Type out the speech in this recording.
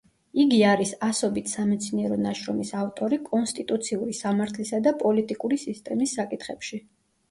იგი არის ასობით სამეცნიერო ნაშრომის ავტორი კონსტიტუციური სამართლისა და პოლიტიკური სისტემის საკითხებში.